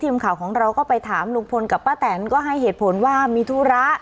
ทีมข่าวของเราก็ไปถามลุงพลกับป้าแตนก็ให้เหตุผลว่ามีธุระ